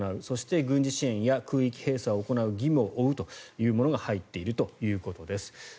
そして軍事支援や空域閉鎖を行う義務を負うというものが入っているということです。